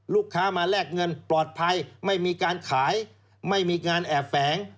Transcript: ลูกค้ามาแลกเงินปลอดภัยไม่มีการขายไม่มีการแอบแฝง